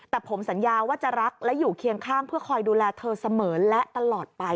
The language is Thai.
แต่ผมสัญญาว่าจะรักและอยู่เคียงข้างเพื่อคอยดูแลเธอเสมอและตลอดไป